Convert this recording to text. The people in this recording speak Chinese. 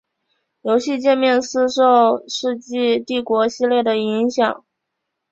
游戏介面似受世纪帝国系列的影响。